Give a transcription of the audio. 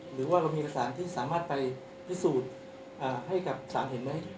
หรือว่าเรามีเอกสารที่สามารถไปพิสูจน์ให้กับศาลเห็นไหม